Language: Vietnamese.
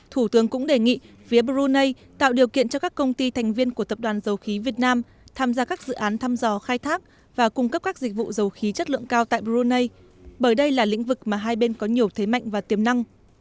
thủ tướng cũng đề nghị phía brunei tạo điều kiện cho các công ty thành viên của tập đoàn dầu khí việt nam tham gia các dự án thăm dò khai thác và cung cấp các dịch vụ dầu khí chất lượng cao tại brunei bởi đây là lĩnh vực mà hai bên có nhiều thế mạnh và tiềm năng